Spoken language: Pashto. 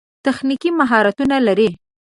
تخنیکي مهارتونه لري.